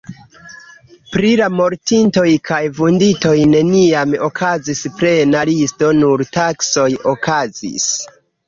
Pri la mortintoj kaj vunditoj neniam okazis plena listo nur taksoj okazis.